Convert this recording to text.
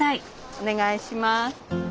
お願いします。